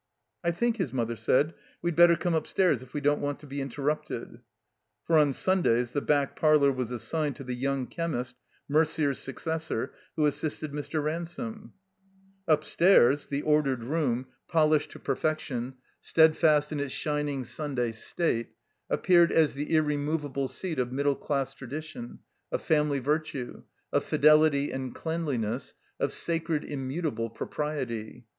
"I think," his mother said, "we'd better come upstairs if we don't want to be interrupted." For on Sundays the back parlor was assigned to the young chemist, Merder's successor, who assisted Mr. Ransome. Ujpstairs, the ordered room, polished to per THE COMBINED MAZE fection, steadfast in its shining Sunday state, ap« peared as the irremovable seat of middle class tradition, of family virtue, of fidelity and cleanliness, of sacred immutable propriety.